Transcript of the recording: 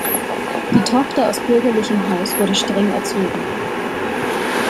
Die Tochter aus bürgerlichem Haus wurde streng erzogen.